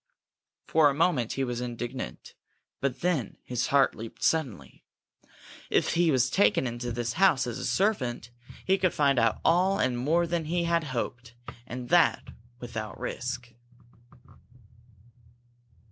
For a moment he was indignant, but then his heart leaped happily. If he was taken into the house as a servant, he could find out all and more than he had hoped, and that without risk.